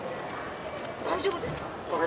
大丈夫ですか。